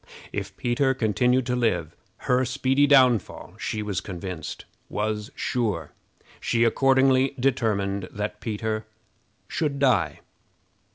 If Peter continued to live, her speedy downfall, she was convinced, was sure. She accordingly determined that Peter should die.